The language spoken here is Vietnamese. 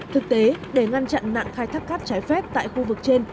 thực tế để ngăn chặn nạn khai thác cát trái phép tại khu vực trên